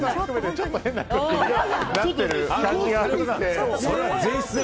ちょっと変な空気になってる感じが。